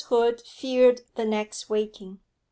Hood feared the next waking.